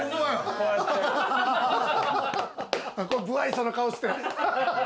無愛想な顔して。